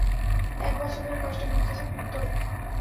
এক বছর ধরে কষ্টে ভুগতেছে, পুত্তর!